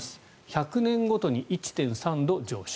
１００年ごとに１．３度上昇。